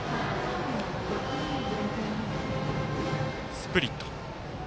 スプリット。